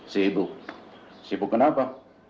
sibuk sibuk kenapa